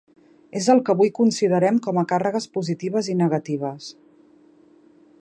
És el que avui considerem com a càrregues positives i negatives.